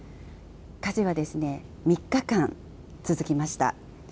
火事は３日間、続きました。